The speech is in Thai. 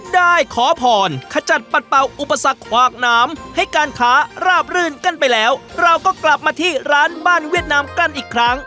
ได้ขอพรขจัดปัดเป่าอุปสรรคขวากน้ำให้การค้าราบรื่นกันไปแล้วเราก็กลับมาที่ร้านบ้านเวียดนามกันอีกครั้ง